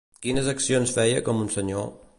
Quines acciones feia com un senyor?